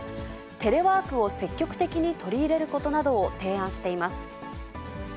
テレワークを積極的に取り入れることなどを提案しています。